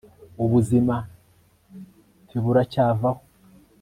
Ubuzima ntiburacyavaho